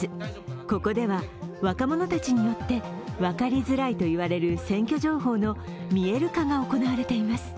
ここでは、若者たちによって、わかりづらいと言われる選挙情報の見える化が行われています。